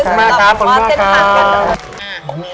ขอบคุณมากครับขอบคุณมากครับ